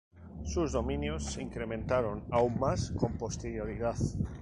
Sus dominios se incrementaron aún más con posterioridad.